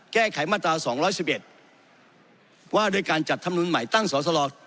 แก้ไขมาตราสองร้อยสิบเอ็ดว่าโดยการจัดทำนวณหมายตั้งสดสลอง